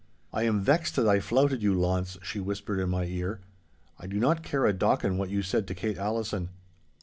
'I am vexed that I flouted you, Launce,' she whispered in my ear. 'I do not care a docken what you said to Kate Allison.